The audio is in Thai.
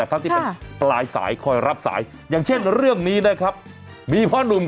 อันนี้ไปเผาศพมาเห็นเบอร์โทรมิตรดูค่ะ